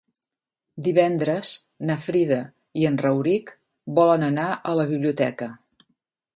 Divendres na Frida i en Rauric volen anar a la biblioteca.